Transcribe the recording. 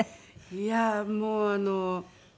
いやあもうあの。